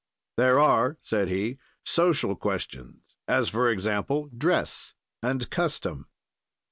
"There are," said he, "social questions, as, for example, dress and custom.